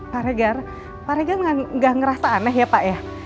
pak regar pak regar nggak ngerasa aneh ya pak ya